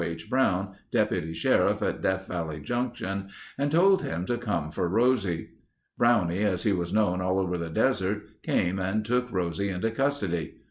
H. Brown, deputy sheriff at Death Valley Junction and told him to come for Rosie. Brownie, as he is known all over the desert, came and took Rosie into custody.